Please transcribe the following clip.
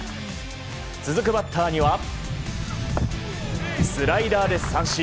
続くバッターにはスライダーで三振。